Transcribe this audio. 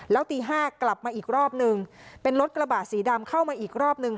แล้วตี๕กลับมาอีกรอบนึงเป็นรถกระบะสีดำเข้ามาอีกรอบนึง